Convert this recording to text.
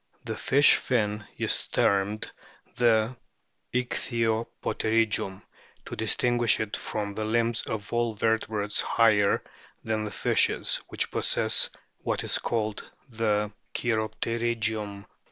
The fish fin is termed the " Ichthyop terygium " to distinguish it from the limbs of all vertebrates higher than fishes which possess what is called the " Cheiropterygium."